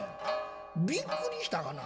びっくりしたがな。